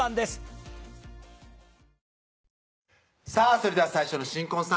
それでは最初の新婚さん